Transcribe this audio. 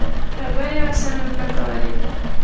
خبرې یې ورسره نه کولې.